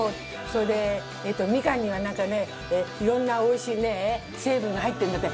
それでみかんにはなんかねいろんなおいしいね成分が入ってるんだって。